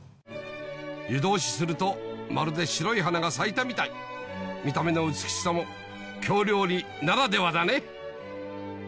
湯通しするとまるで白い花が咲いたみたい見た目の美しさも京料理ならではだね